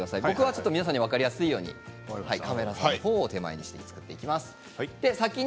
僕は皆さんに分かりやすいようにカメラのほうを手前にしていきます。